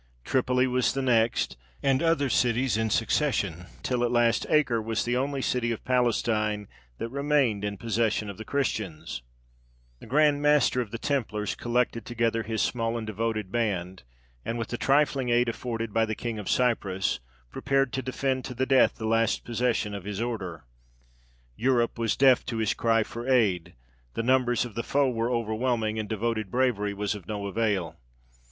Tripoli was the next, and other cities in succession, until at last Acre was the only city of Palestine that remained in possession of the Christians. [Illustration: TOMB OF QUEEN ELEANOR.] The Grand Master of the Templars collected together his small and devoted band, and, with the trifling aid afforded by the King of Cyprus, prepared to defend to the death the last possession of his order. Europe was deaf to his cry for aid, the numbers of the foe were overwhelming, and devoted bravery was of no avail.